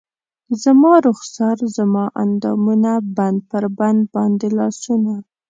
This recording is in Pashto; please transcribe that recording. زما رخسار زما اندامونه بند پر بند باندې لاسونه